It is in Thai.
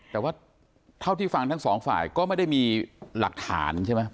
แต่ว่าเท่าที่ฟังทั้งสองฝ่ายก็ไม่ได้มีหลักฐานใช่ไหม